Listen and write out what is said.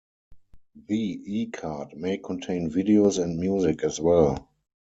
The E-card may contain videos and music as well.